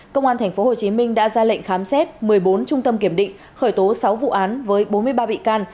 công an tp hcm đã ra lệnh khám xét một mươi bốn trung tâm kiểm định khởi tố sáu vụ án với bốn mươi ba bị can